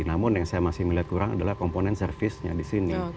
namun yang saya masih melihat kurang adalah komponen servisnya di sini